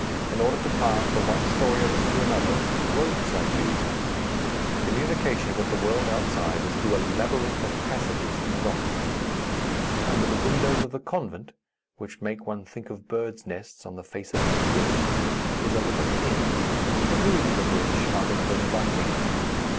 In order to pass from one story of it to another, ropes are used. Communication with the world outside is through a labyrinth of passages in the rock. Under the windows of the convent which make one think of birds' nests on the face of a cliff is a little inn, the rooms of which are little inviting.